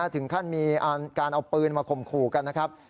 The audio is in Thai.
ถึงขั้นมีการเอาปืนมาข่มขู่กันนะครับ